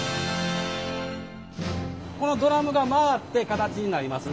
このドラムが回って形になります。